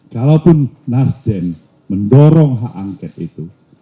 kalaupun nasdem mendorong hak angket itu